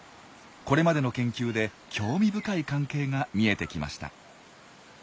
これまでの研究で興味深い関係が見えてきました。